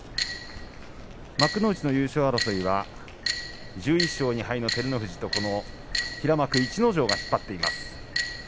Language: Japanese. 幕内の優勝争いは１１勝２敗の照ノ富士と平幕逸ノ城が引っ張っています。